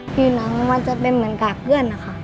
ผิวหนังมันจะเป็นเหมือนกากเพื่อนนะคะ